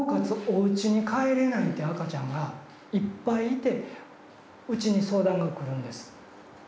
おうちに帰れないって赤ちゃんがいっぱいいてうちに相談が来るんです。